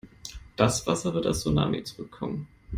Das Wasser wird als Tsunami zurückkommen.